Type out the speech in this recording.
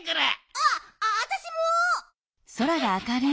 ああたしも！